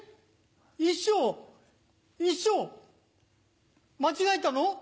衣装衣装間違えたの？